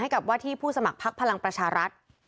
ให้กับวาที่ผู้สมัครภาคพลังประชารัฐ